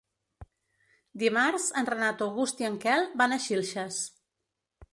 Dimarts en Renat August i en Quel van a Xilxes.